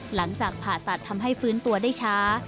หลังจากผ่าตัดทำให้ฟื้นตัวได้ช้า